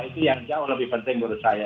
itu yang jauh lebih penting menurut saya